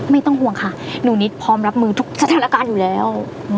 ไม่ต้องห่วงค่ะหนูนิดพร้อมรับมือทุกสถานการณ์อยู่แล้ว